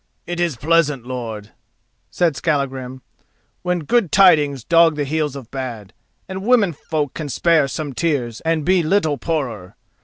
"It is pleasant, lord," said Skallagrim, "when good tidings dog the heels of bad, and womenfolk can spare some tears and be little poorer.